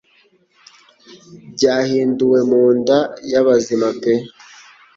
Byahinduwe munda yabazima pe